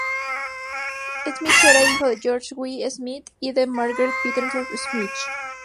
Schmidt era hijo de George W. Schmidt y de Margaret Patterson Schmidt.